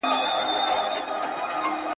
• کډي مي بارېږي، زوىمي را ملا که.